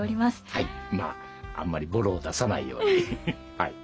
はいまああんまりボロを出さないようにはい。